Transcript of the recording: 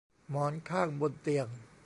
หมอนข้างบนเตียง